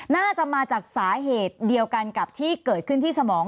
น่าจะมาจากสาเหตุเดียวกันกับที่เกิดขึ้นที่สมอง